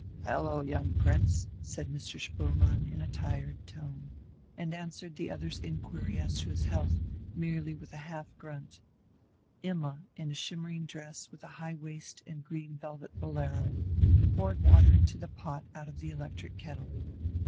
"Hullo, young Prince ..." said Mr. Spoelmann in a tired tone, and answered the other's inquiry as to his health merely with half a grunt. Imma, in a shimmering dress with a high waist and green velvet bolero, poured water into the pot out of the electric kettle.